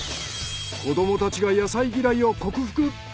子どもたちが野菜嫌いを克服。